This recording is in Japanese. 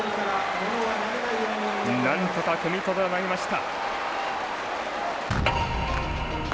なんとか踏みとどまりました。